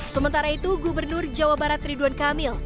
sementara itu gubernur jawa barat ridwan kamil